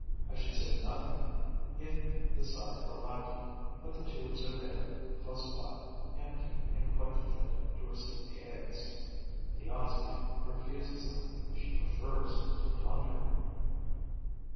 I should say nothing if the site were lacking; but the tubes are there, close by, empty and quite fit to receive the eggs. The Osmia refuses them, she prefers to plunder.